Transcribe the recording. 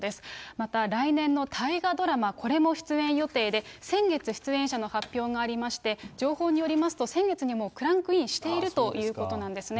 また来年の大河ドラマ、これも出演予定で、先月出演者の発表がありまして、情報によりますと、先月にもうクランクインしているということなんですね。